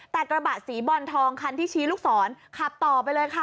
แต่กระบะสีบอลทองคันที่ชี้ลูกศรขับต่อไปเลยค่ะ